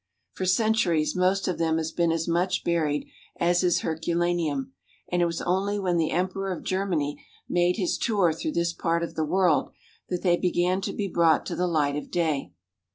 For centuries most of them have been as much buried as is Herculaneum, and it was only when the Emperor of Germany made his tour through this part of the world, that they began to be brought to the light of day.